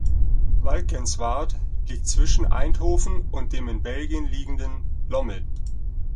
Valkenswaard liegt zwischen Eindhoven und dem in Belgien liegenden Lommel.